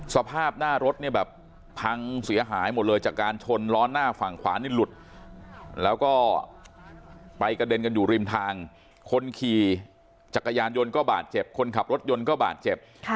สภาพหน้ารถเนี่ยแบบพังเสียหายหมดเลยจากการชนล้อหน้าฝั่งขวานี่หลุดแล้วก็ไปกระเด็นกันอยู่ริมทางคนขี่จักรยานยนต์ก็บาดเจ็บคนขับรถยนต์ก็บาดเจ็บ